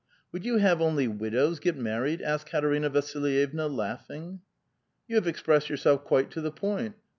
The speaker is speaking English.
" Would you have only widows get married?" asked Kat erinaVa ^ilyevna, laughing. " You have expressed yourself quite to the point.